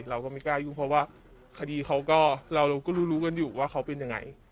เราก็ไม่กล้ายุ่งเพราะว่าคดีเขาก็เราก็รู้รู้กันอยู่ว่าเขาเป็นยังไง